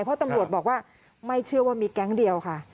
เพราะตำรวจบอกว่าไม่เชื่อว่ามีแก๊งเดียวค่ะ